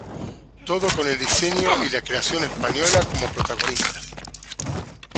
Todo con el diseño y la creación española como protagonistas.